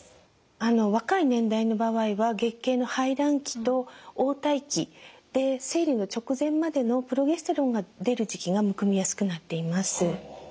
若い年代の場合は月経の排卵期と黄体期で生理の直前までのプロゲステロンが出る時期がむくみやすくなっています。